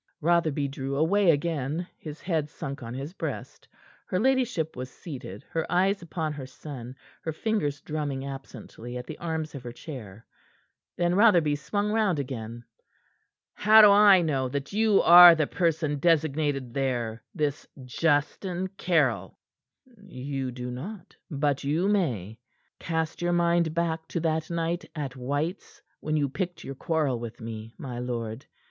Rotherby drew away again, his head sunk on his breast. Her ladyship was seated, her eyes upon her son, her fingers drumming absently at the arms of her chair. Then Rotherby swung round again. "How do I know that you are the person designated there this Justin Caryll?" "You do not; but you may. Cast your mind back to that night at White's when you picked your quarrel with me, my lord.